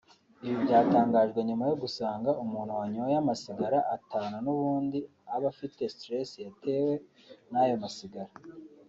Ibi byatangajwe nyuma yo gusanga umuntu wanyoye amasigara atanu n’ubundi aba afite stress yatewe n’ayo masigara